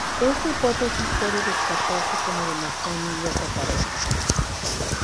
Esta hipótesis puede descartarse como demostró Emilio Cotarelo.